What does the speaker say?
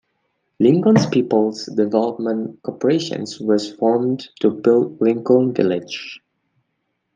Lincoln's People's Development Corporation was formed to build Lincoln Village.